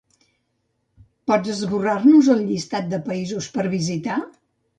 Pots esborrar-nos el llistat de països per visitar?